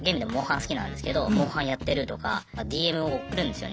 好きなんですけど「モンハン」やってるとかＤＭを送るんですよね。